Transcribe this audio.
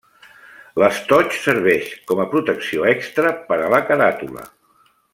L'estoig serveix com a protecció extra per a la caràtula.